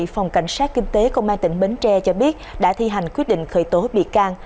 phòng cảnh sát kinh tế công an tỉnh bến tre cho biết đã thi hành quyết định khởi tố bị can